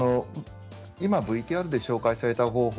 今ＶＴＲで紹介された方法